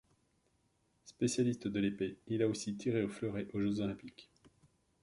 Spécialiste de l'épée, il a aussi tiré au fleuret aux Jeux olympiques.